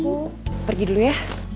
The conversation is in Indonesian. aku pergi dulu ya